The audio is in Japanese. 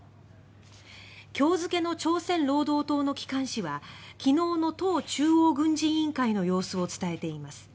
今日付の朝鮮労働党の機関紙は昨日の党中央軍事委員会の様子を伝えています。